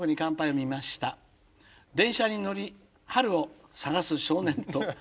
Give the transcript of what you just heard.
電車に乗り春を探す少年と」。